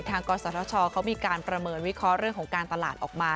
กศธชเขามีการประเมินวิเคราะห์เรื่องของการตลาดออกมา